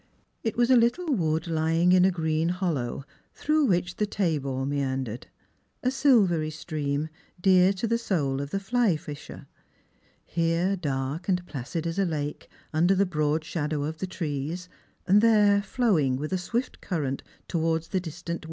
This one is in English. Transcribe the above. It was a little wood lying in a green hollow, through which the Tabor meandered— a silvery stream dear to the soul of the tiy fisher; here dark and placid as a lake, under the broad shadow of the trees ; there flowing with swift current towards the distant weir.